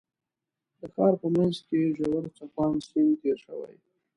د ښار په منځ کې یې ژور څپاند سیند تېر شوی.